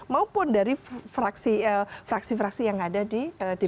maupun dari fraksi fraksi yang ada di dpr